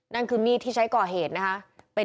นั่นคือมีดที่ใช้ก่อเหตุนะคะ